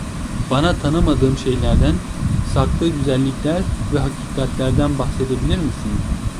Bana tanımadığım şeylerden, saklı güzellikler ve hakikatlerden bahsedebilir misin?